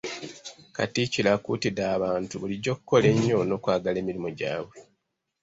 Katikkiro akuutidde abantu bulijjo okukola ennyo n’okwagala emirimu gyabwe.